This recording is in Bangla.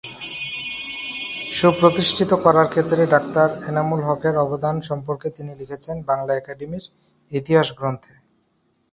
সুপ্রতিষ্ঠিত করার ক্ষেত্রে ডাক্তার এনামুল হকের অবদান সম্পর্কে তিনি লিখেছিলেন ‘বাংলা একাডেমীর ইতিহাস’ গ্রন্থে।